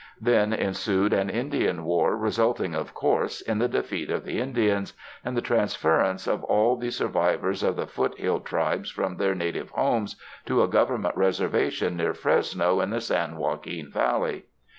Then ensued an Indian war resulting, of course, in the defeat of the Indians, and the transference of all the sur vivors of the foot hill tribes from their native homes to a Government Reservation near Fresno in the San Joaquin Valley.